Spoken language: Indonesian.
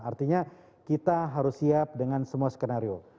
artinya kita harus siap dengan semua skenario